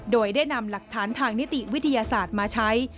โดยได้นำหลักฐานทางนิติวิทยาศาสตร์มาใช้